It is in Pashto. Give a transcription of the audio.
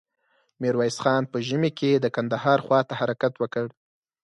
ميرويس خان په ژمې کې د کندهار خواته حرکت وکړ.